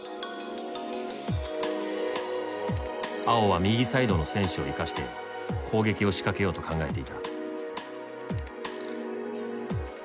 碧は右サイドの選手を生かして攻撃を仕掛けようと考えていた。